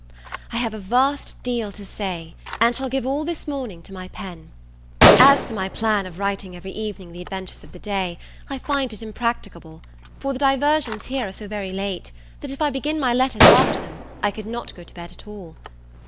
I HAVE a vast deal to say, and shall give all this morning to my pen. As to my plan of writing every evening the adventures of the day, I find it impracticable; for the diversions here are so very late, that if I begin my letters after them, I could not go to bed at all.